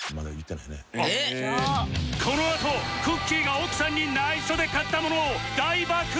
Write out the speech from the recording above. このあとくっきー！が奥さんに内緒で買ったものを大暴露！